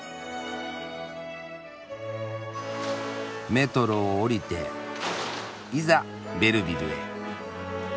メトロを降りていざベルヴィルへ。